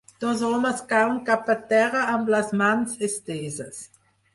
Dos homes cauen cap a terra amb les mans esteses.